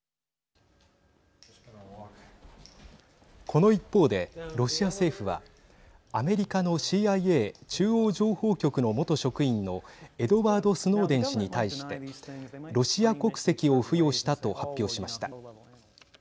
この一方でロシア政府はアメリカのＣＩＡ＝中央情報局の元職員のエドワード・スノーデン氏に対してロシア国籍を付与したと発表しました。